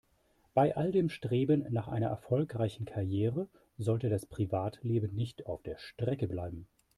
Bei all dem Streben nach einer erfolgreichen Karriere sollte das Privatleben nicht auf der Strecke bleiben.